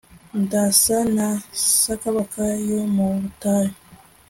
ndasa na sakabaka yo mu butayu